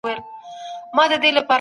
ولي ځیني خلګ شک لري؟